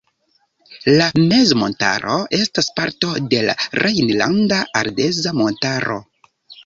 La mezmontaro estas parto de la Rejnlanda Ardeza montaro.